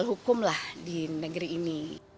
hukum lah di negeri ini